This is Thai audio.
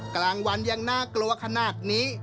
กลางวันยังน่ากลัวขนาดนี้